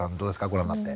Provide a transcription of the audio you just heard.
ご覧になって。